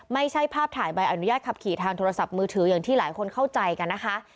ไม่ใช่ภาพถ่ายใบอนุญาตขับขี่ทางโทรศัพท์มือถืออย่างที่หลายคนเข้าใจกันนะคะ